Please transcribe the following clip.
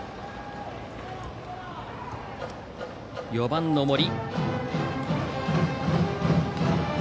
４番の森。